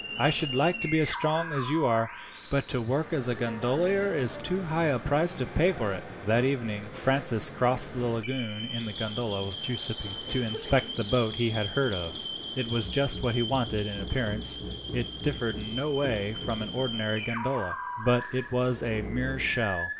I should like to be as strong as you are, but to work as a gondolier is too high a price to pay for it." That evening, Francis crossed the lagoon in the gondola with Giuseppi, to inspect the boat he had heard of. It was just what he wanted. In appearance it differed in no way from an ordinary gondola, but it was a mere shell.